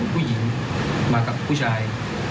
ผู้หญิงมากับผู้ชาย